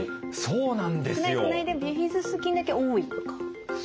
少ない少ないでビフィズス菌だけ多いとか。